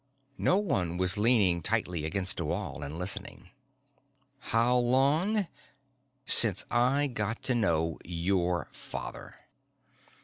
No one was leaning tightly against a wall and listening. "How long? Since I got to know your father.